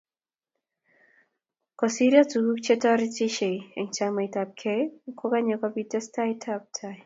kusiryo tugul che toretisyei eng chametapgei ko Kanye kobit tesetab taai